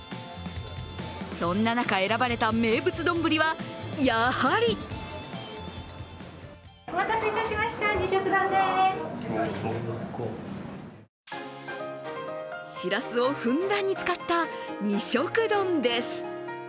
そんな中、選ばれた名物丼はやはりしらすをふんだんに使った二色丼です。